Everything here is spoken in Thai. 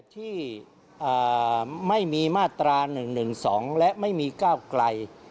ที่ไม่มีมาตรา๑๑๒และไม่มีก้าวไกล